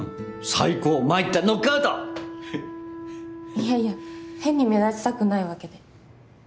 いやいや変に目立ちたくないわけで。